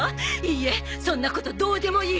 いいえそんなことどうでもいいわ。